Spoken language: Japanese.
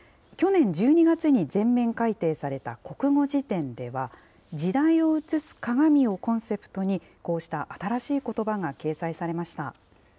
去年１２月に全面改訂された国語辞典では、時代を写すかがみをコンセプトに、こうした新しいことばが掲載されました。